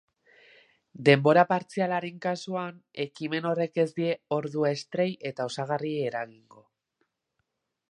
Denbora partzialaren kasuan, ekimen horrek ez die ordu estrei eta osagarriei eragingo.